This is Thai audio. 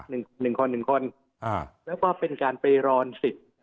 หนึ่งหนึ่งคนหนึ่งคนอ่าแล้วก็เป็นการไปรอนสิทธิ์